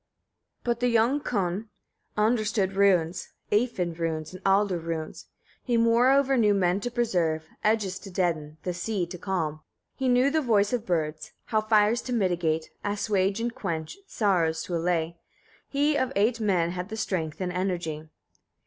40. But the young Kon understood runes, æfin runes, and aldr runes; he moreover knew men to preserve, edges to deaden, the sea to calm. 41. He knew the voice of birds, how fires to mitigate, assuage and quench; sorrows to allay. He of eight men had the strength and energy.